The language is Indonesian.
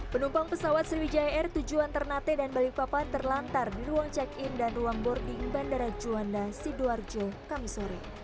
penumpang pesawat sriwijaya air tujuan ternate dan balikpapan terlantar di ruang check in dan ruang boarding bandara juanda sidoarjo kamisore